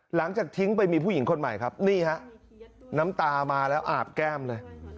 หลังจากทิ้งไปมีผู้หญิงคนใหม่ครับนี่ฮะน้ำตามาแล้วอาบแก้มเลย